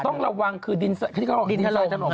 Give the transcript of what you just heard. ต้องระวังคือดินทะลม